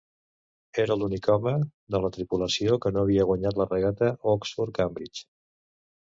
Era l'únic home de la tripulació que no havia guanyat la regata Oxford-Cambridge.